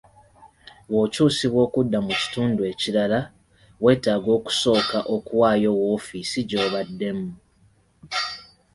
Bw'okyusibwa okudda mu kitundu ekirala, weetaaga okusooka okuwaayo woofiisi gy'obaddemu.